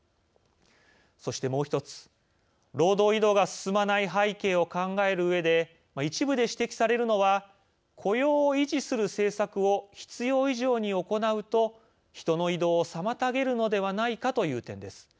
そして、もう１つ労働移動が進まない背景を考えるうえで一部で指摘されるのは雇用を維持する政策を必要以上に行うと人の移動を妨げるのではないかという点です。